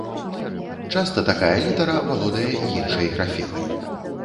Часта такая літара валодае іншай графемай.